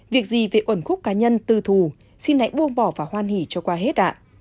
việc gì về ổn khúc cá nhân tư thù xin hãy buông bỏ và hoan hỷ cho qua hết ạ